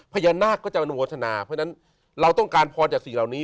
พญานาคก็จะอนุโมทนาเพราะฉะนั้นเราต้องการพรจากสิ่งเหล่านี้